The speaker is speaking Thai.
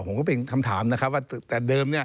ผมก็เป็นคำถามนะครับว่าแต่เดิม